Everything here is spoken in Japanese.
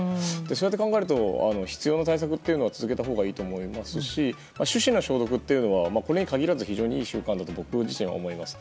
そうやって考えると必要な対策は続けたほうがいいと思いますし手指の消毒というのはこれに限らず非常にいい習慣だと僕自身は思います。